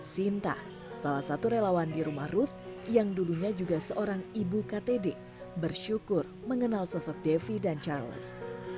sinta salah satu relawan di rumah ruth yang dulunya juga seorang ibu ktd bersyukur mengenal sosok devi dan charles